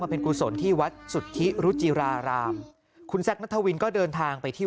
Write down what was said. เป็นกุศลที่วัดสุทธิรุจิรารามคุณแซคนัทวินก็เดินทางไปที่